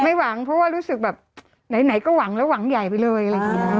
ไม่หวังเพราะว่ารู้สึกแบบไหนก็หวังแล้วหวังใหญ่ไปเลยอะไรอย่างนี้